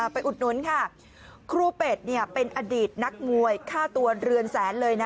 อุดหนุนค่ะครูเป็ดเป็นอดีตนักมวยค่าตัวเรือนแสนเลยนะ